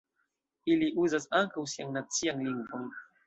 Ili uzas ankaŭ sian nacian lingvon.